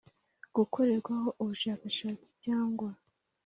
Gukorerwaho ubushakashatsi cyangwa